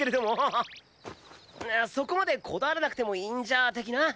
そこまでこだわらなくてもいいんじゃ的な？